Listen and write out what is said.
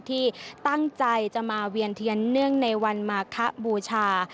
ที่ตั้งใจจะมาเวียนเทียนเนื่องในวันมาคะบูชา